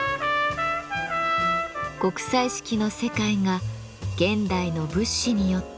極彩色の世界が現代の仏師によってよみがえります。